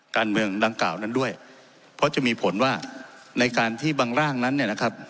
การเมืองดังกล่าวนั้นด้วยเพราะจะมีผลว่าในการที่บางร่างนั้นเนี่ยนะครับ